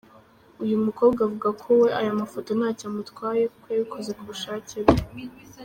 Uyu mukobwa avuga ko we aya mafoto ntacyo amutwaye kuko yabikoze ku bushake bwe.